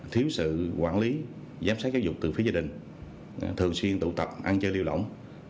thiếu sự quản lý giám sát giáo dục từ phía gia đình thường xuyên tụ tập ăn chơi lưu động